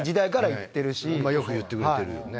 よく言ってくれてるよね。